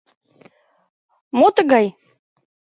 Мо тыгай?